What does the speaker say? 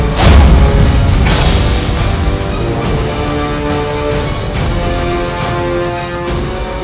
urusku aku akan tingkatkan tenaga dalamku